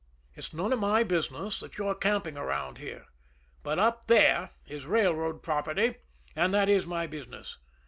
"It's none of my business that you're camping around here, but up there is railroad property, and that is my business.